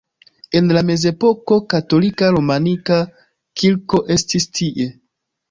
En la mezepoko katolika romanika kirko estis tie.